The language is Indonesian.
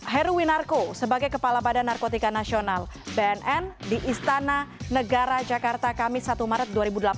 heruwinarko sebagai kepala badan narkotika nasional bnn di istana negara jakarta kamis satu maret dua ribu delapan belas